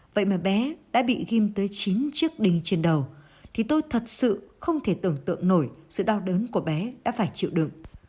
vậy mà bé đã bị ghim tới chín chiếc đi trên đầu thì tôi thật sự không thể tưởng tượng nổi sự đau đớn của bé đã phải chịu đựng